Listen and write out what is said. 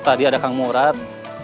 tadi ada kang murad